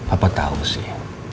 apa tau sih